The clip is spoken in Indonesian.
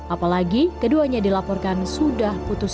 apalagi keduanya dilaporkan sudah putus